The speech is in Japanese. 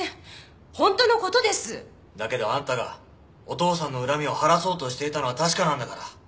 だけどあんたがお父さんの恨みを晴らそうとしていたのは確かなんだから。